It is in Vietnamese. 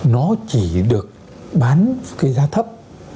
nó chỉ được bán cái giá thấp